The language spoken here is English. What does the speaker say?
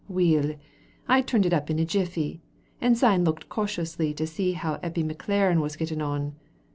Weel, I turned it up in a jiffy, and syne looked cautiously to see how Eppie McLaren was getting on.